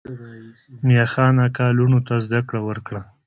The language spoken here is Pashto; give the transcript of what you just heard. میاخان اکا لوڼو ته زده کړه ورکړه.